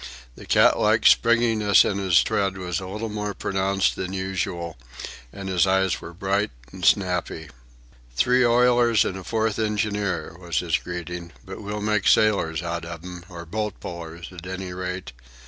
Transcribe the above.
The cat like springiness in his tread was a little more pronounced than usual, and his eyes were bright and snappy. "Three oilers and a fourth engineer," was his greeting. "But we'll make sailors out of them, or boat pullers at any rate.